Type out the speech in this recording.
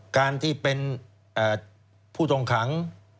การที่เป็นผู้ต้องขัง